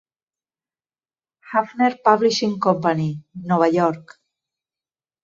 Hafner Publishing Company, Nova York.